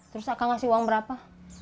terus akan ngasih uang berapa